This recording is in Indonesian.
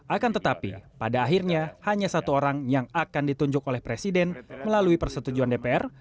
akan tetapi pada akhirnya hanya satu orang yang akan ditunjuk oleh presiden melalui persetujuan dpr